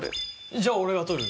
じゃあ俺が取る！